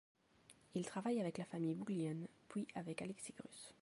Il travaille avec la famille Bouglione, puis avec Alexis Grüss.